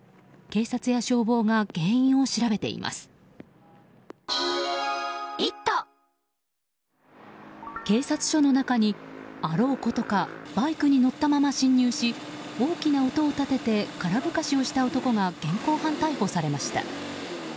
警察署の中にあろうことかバイクに乗ったまま侵入し大きな音を立てて空ぶかしをした男が現行犯逮捕されました。